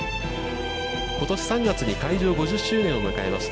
ことし３月に開場５０周年を迎えました。